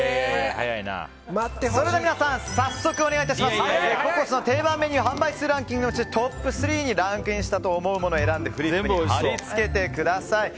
それでは皆さん早速お願いいたしますココスの定番メニュー販売数ランキングのうちトップ３にランクインしたと思うものをフリップに貼り付けてください。